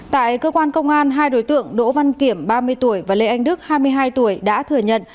tại cơ quan công an hai đối tượng đỗ văn kiểm ba mươi tuổi và lê anh đức hai mươi hai tuổi đã thừa nhận